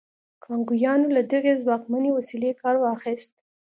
کانګویانو له دغې ځواکمنې وسیلې کار واخیست.